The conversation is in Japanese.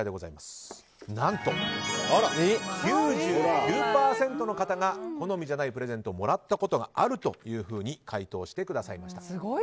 何と、９９％の方が好みじゃないプレゼントをもらったことがあると回答してくださいました。